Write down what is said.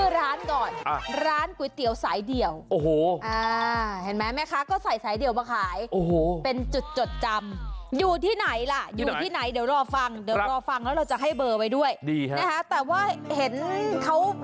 ร้านนี้ก็แซ่บอีกวันนั้นแซ่บยกร้านไปด้วยจ้า